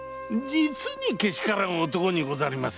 実にけしからん男にござります！